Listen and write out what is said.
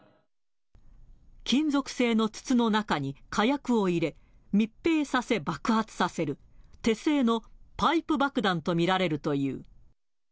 金属製の筒の中に火薬を入れ、密閉させ爆発させる、手製のパイプ爆弾と見られるという。